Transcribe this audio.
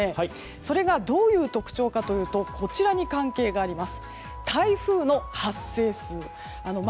それがどういう特徴かというとこちらに関係あります。